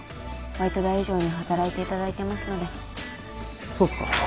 バイト代以上に働いていただいていますのでそうっすか？